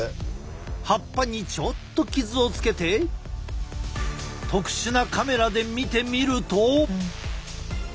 葉っぱにちょっと傷をつけて特殊なカメラで見てみると。